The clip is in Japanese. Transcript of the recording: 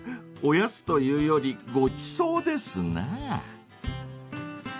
［おやつというよりごちそうですな］